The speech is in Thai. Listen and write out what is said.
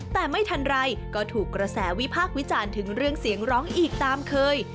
แต่ไม่ทันไรก็ถูกกระแสวิพากษ์วิจารณ์ถึงเรื่องเสียงร้องอีกตามเคย